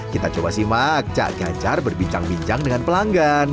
kita coba simak cak gajar berbincang bincang dengan pelanggan